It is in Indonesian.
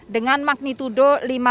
dengan magnitudo lima enam